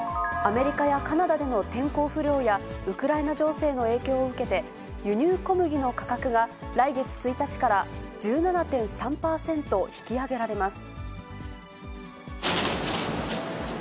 アメリカやカナダでの天候不良やウクライナ情勢の影響を受けて、輸入小麦の価格が、来月１日から１７．３％引き上げられます。